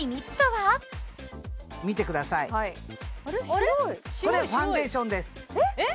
はいこれファンデーションですえっ！？